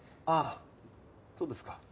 あっそうですか。